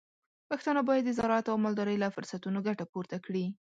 پښتانه بايد د زراعت او مالدارۍ له فرصتونو ګټه پورته کړي.